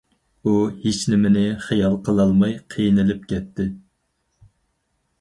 ئۇ ھېچنېمىنى خىيال قىلالماي قىينىلىپ كەتتى.